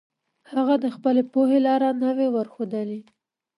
هغه د خپلې پوهې لار نه وي ورښودلي.